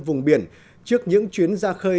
vùng biển trước những chuyến ra khơi